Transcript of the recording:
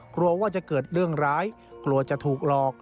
กลัวว่าจะเกิดเรื่องร้ายกลัวจะถูกหลอก